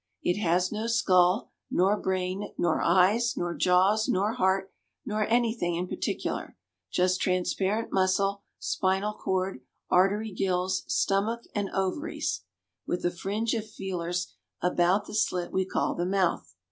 It has no skull, nor brain, nor eyes, nor jaws, nor heart, nor anything in particular just transparent muscle, spinal cord, artery gills, stomach and ovaries, with a fringe of feelers about the slit we call the mouth.